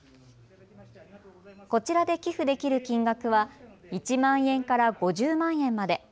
こちらで寄付できる金額は１万円から５０万円まで。